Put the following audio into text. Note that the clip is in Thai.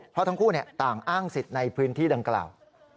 เพราะทั้งคู่ต่างอ้างสิทธิ์ในพื้นที่ดังกล่าว